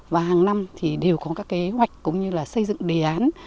và hàng năm đều có các kế hoạch cũng như xây dựng đề án